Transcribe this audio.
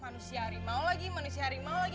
manusia harimau lagi manusia harimau lagi